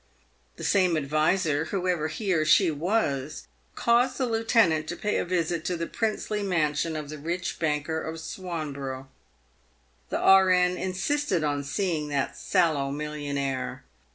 The same adviser, whoever he or she was, caused the lieutenant to pay a visit to the princely mansion of the rich banker of Swan borough. The E/.N. insisted on seeing that sallow millionnaire.